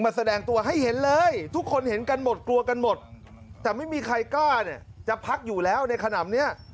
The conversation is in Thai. แสดงตัวให้เห็นเลยทุกคนเห็นกันหมดกลัวกันหมดแต่ไม่มีใครกล้าเนี่ยจะพักอยู่แล้วในขนำเนี้ย